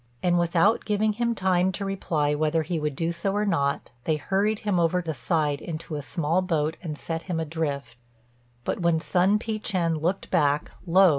And without giving him time to reply whether he would do so or not, they hurried him over the side into a small boat and set him adrift; but when Sun Pi chên looked back, lo!